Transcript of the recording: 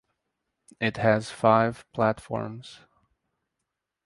It has five platforms.